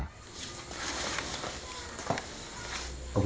kamu mau pergi dulu ya